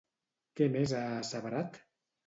Què més ha asseverat?